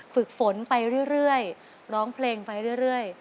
ฝึกฝนไปเรื่อยร้องเพลงไปเรื่อย